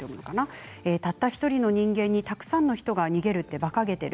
たった１人の人間にたくさんの人が逃げるってばかげている。